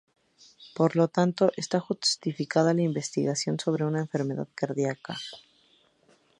Por lo tanto, está justificada la investigación sobre una enfermedad cardíaca.